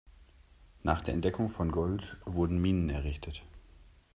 Nach der Entdeckung von Gold wurden Minen errichtet.